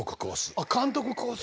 あっ監督コース？